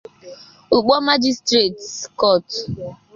'Ukpor Magistrates' Court